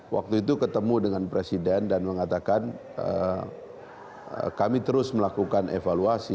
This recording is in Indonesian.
waktu itu ketemu dengan presiden dan mengatakan kami terus melakukan evaluasi